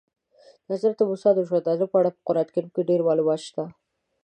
د حضرت موسی د ژوند په اړه په قرآن کې ډېر معلومات شته.